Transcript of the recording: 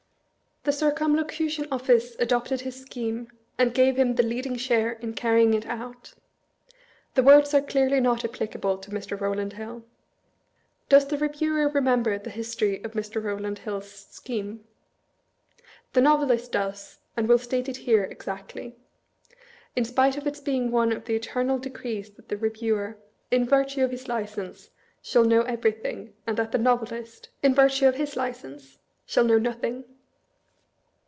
" The Circumlocution Office adopted his scheme, and gave him the leading share in carrying it out." The words are clearly not applicable to Mr, Eowland Hill. Does the Ee 282 MISPRINT IN THE EDINBURGH REVIEW. viewer remember the history of Mr. Eowland Hill's scheme? The Novelist does, and will state it here, exactly; in spite of its being one of the eternal decrees that the Reviewer, in virtue of his license, shall know everythiag, and that the Novelist, in virtue of his license, shall know nothing.